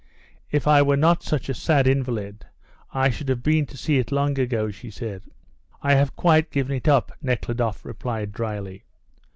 If I were not such a sad invalid I should have been to see it long ago," she said. "I have quite given it up," Nekhludoff replied drily.